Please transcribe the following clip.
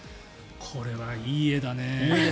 これは、いい画だねえ。